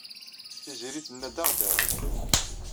Tiziri tenna-d ad aɣ-d-taru.